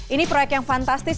ini proyek yang fantastis